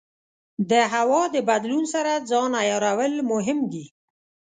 د هوا د بدلون سره ځان عیارول مهم دي.